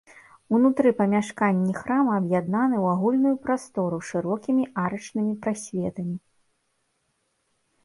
Унутры памяшканні храма аб'яднаны ў агульную прастору шырокімі арачнымі прасветамі.